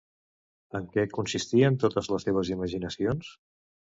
En què consistien totes les seves imaginacions?